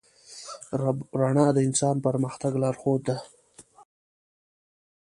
رڼا د انسان د پرمختګ لارښود ده.